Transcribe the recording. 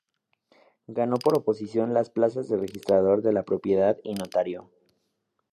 Ganó por oposición las plazas de registrador de la propiedad y notario.